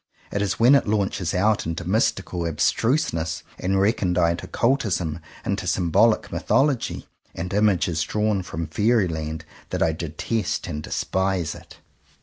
It is when it launches out into mystical ab struseness, and recondite occultism, into symbolic mythology and images drawn from fairy land, that I detest and despise it.